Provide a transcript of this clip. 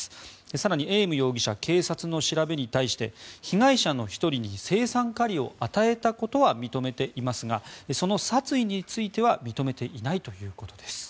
更に、エーム容疑者警察の調べに対して被害者の１人に青酸カリを与えたことは認めていますがその殺意については認めていないということです。